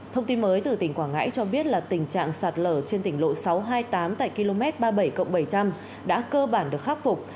thông tin mới từ tỉnh quảng ngãi cho biết là tình trạng sạt lở trên tỉnh lộ sáu trăm hai mươi tám tại km ba mươi bảy bảy trăm linh đã cơ bản được khắc phục